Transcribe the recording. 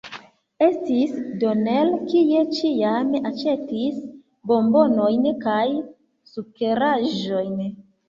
Estis Donel, kiu ĉiam aĉetis bombonojn kaj sukeraĵojn.